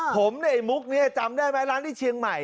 ผมในมุกนี้จำได้ไหมร้านที่เชียงใหม่